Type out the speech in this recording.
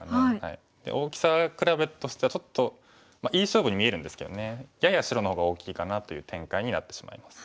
大きさ比べとしてはちょっといい勝負に見えるんですけどねやや白の方が大きいかなという展開になってしまいます。